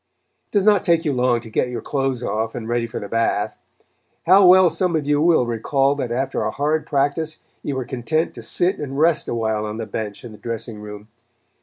It does not take you long to get your clothes off and ready for the bath. How well some of you will recall that after a hard practice you were content to sit and rest awhile on the bench in the dressing room.